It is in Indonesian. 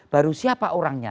baru siapa orangnya